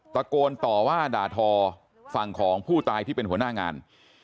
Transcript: ตะโกนต่อว่าด่าทอฝั่งของผู้ตายที่เป็นหัวหน้างาน